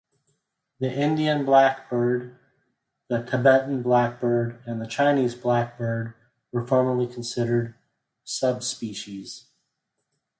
The Indian blackbird, the Tibetan blackbird, and the Chinese blackbird were formerly considered subspecies.